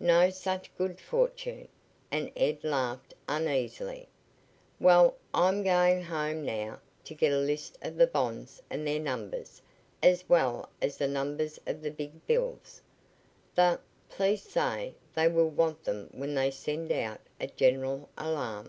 "No such good fortune," and Ed laughed uneasily. "Well, I'm going home now to get a list of the bonds and their numbers, as well as the numbers of the big bills. The police say they will want them when they send out a general alarm."